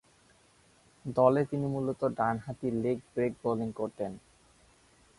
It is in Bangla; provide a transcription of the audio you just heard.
দলে তিনি মূলতঃ ডানহাতি লেগ ব্রেক বোলিং করতেন।